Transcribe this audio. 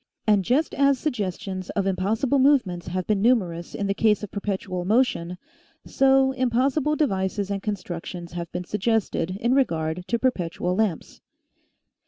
And just as suggestions of impossible movements have been numer ous in the case of perpetual motion, so impossible devices and constructions have been suggested in regard to perpet ual lamps.